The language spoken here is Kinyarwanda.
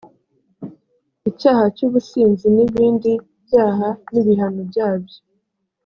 icyaha cy ubusinzi n ibindi byaha n ibihano byabyo